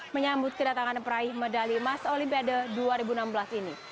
menyambut kedatangan peraih medali emas olimpiade dua ribu enam belas ini